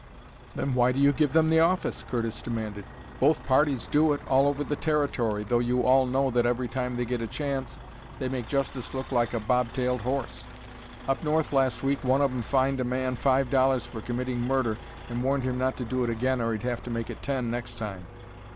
"Then why do you give them the office?" Curtis demanded. "Both parties do it, all over the Territory, though you all know that every time they get a chance they make justice look like a bobtailed horse. Up north last week one of 'em fined a man five dollars for committing murder and warned him not to do it again or he'd have to make it ten next time.